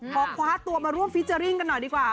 ขอคว้าตัวมาร่วมฟิเจอร์ริ่งกันหน่อยดีกว่า